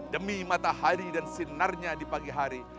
demi matahari dan sinarnya di pagi hari